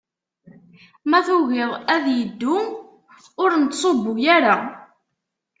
Ma tugiḍ ad iddu, ur nettṣubbu ara.